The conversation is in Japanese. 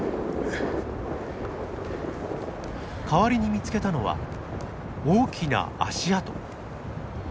代わりに見つけたのは大きな足跡。